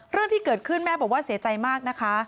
เรื่องที่เกิดขึ้นแม่บอกว่าเสียใจมากนะคะ